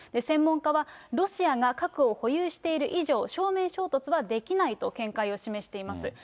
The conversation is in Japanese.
専門家は、ロシアが核を保有している以上、正面衝突はできないと見解を示しています。